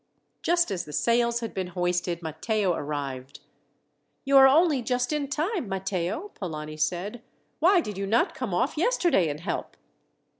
Just as the sails had been hoisted, Matteo arrived. "You are only just in time, Matteo," Polani said. "Why did you not come off yesterday and help?"